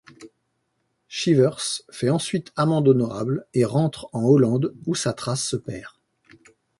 Chivers fait ensuite amende honorable et rentre en Hollande où sa trace se perd.